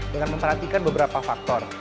dengan memperhatikan beberapa faktor